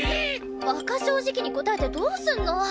馬鹿正直に答えてどうすんの！？